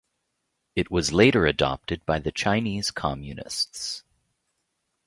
It was later adopted by the Chinese communists.